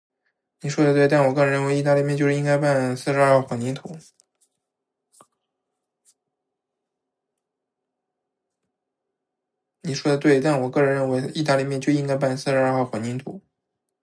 你说得对，但我个人认为，意大利面就应该拌四十二号混凝土。